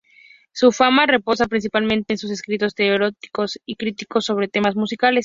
Su fama reposa principalmente, en sus escritos teóricos y críticos sobre temas musicales.